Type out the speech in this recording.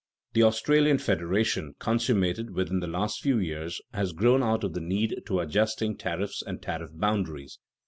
The Australian Federation consummated within the last few years has grown out of the need of adjusting tariffs and tariff boundaries.